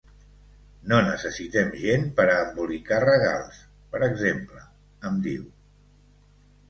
No necessitem gent per a embolicar regals, per exemple, em diu.